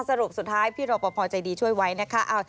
สรุปสุดท้ายพี่รอปภใจดีช่วยไว้นะคะ